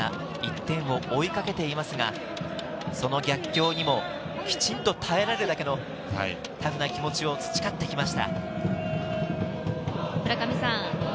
１点を追いかけていますが、その逆境にもきちんと耐えられるだけのタフな気持ちを培ってきました。